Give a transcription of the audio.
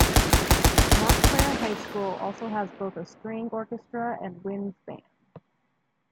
Montclair High School also has both a string orchestra and a winds band.